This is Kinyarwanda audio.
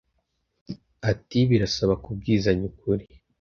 Ati “Birasaba kubwizanya ukuri